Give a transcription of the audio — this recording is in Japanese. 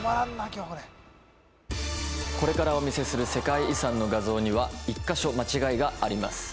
今日これからお見せする世界遺産の画像には１カ所間違いがあります